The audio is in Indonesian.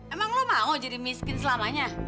emang lo mau jadi miskin selamanya